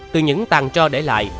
từ những tàn trò để lại